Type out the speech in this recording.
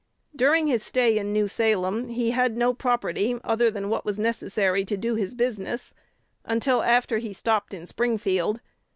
"During his stay in New Salem he had no property other than what was necessary to do his business, until after he stopped in Springfield.